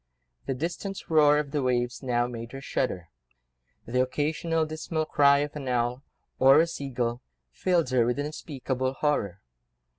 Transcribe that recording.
The distant roar of the waves now made her shudder; the occasional dismal cry of an owl, or a sea gull, filled her with unspeakable horror.